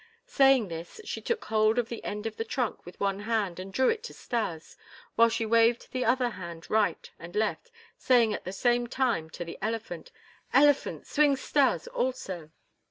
Saying this, she took hold of the end of the trunk with one hand and drew it to Stas, while she waved the other hand right and left, saying at the same time to the elephant: "Elephant! Swing Stas also."